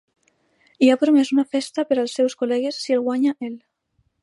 I ha promès una festa per als seus col·legues si el guanya ell.